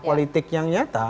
politik yang nyata